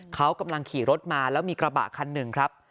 เขากำลังขี่รถมาแล้วมีกระบะคันหนึ่งครับ